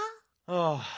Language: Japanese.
ああ。